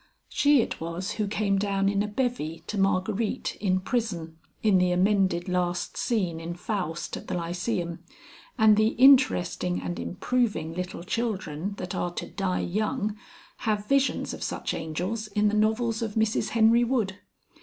She it was who came down in a bevy to Marguerite in prison, in the amended last scene in Faust at the Lyceum, and the interesting and improving little children that are to die young, have visions of such angels in the novels of Mrs Henry Wood.